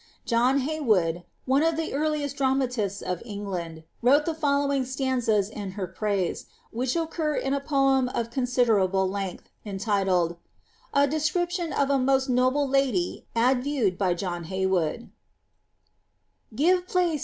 John Hey wood, one of tiie earliest dramatists of England, wrote the following stanzas in her praise, which occur in a Cm of considerable length, entitled — '^A Description of a most noble y od viewed by John Hey wood :"— 'Give plaire.